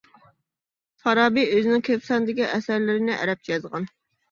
فارابى ئۆزىنىڭ كۆپ ساندىكى ئەسەرلىرىنى ئەرەبچە يازغان.